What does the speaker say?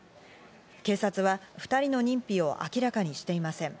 警察は２人の認否を明らかにしていません。